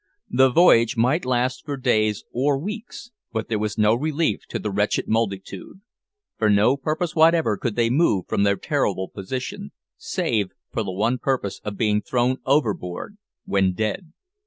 The voyage might last for days or weeks, but there was no relief to the wretched multitude. For no purpose whatever could they move from their terrible position, save for the one purpose of being thrown overboard when dead.